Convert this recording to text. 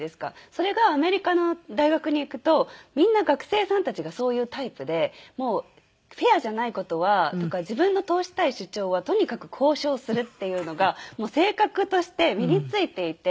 それがアメリカの大学に行くとみんな学生さんたちがそういうタイプでもうフェアじゃない事とか自分の通したい主張はとにかく交渉するっていうのがもう性格として身に付いていて。